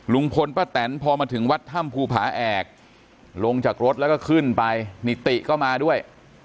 ลุงพลป้าแตนพอมาถึงวัดถ้ำภูผาแอกลงจากรถแล้วก็ขึ้นไปนิติก็มาด้วย